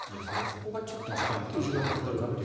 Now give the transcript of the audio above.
そこがちょっと時間がかかるんじゃないかと。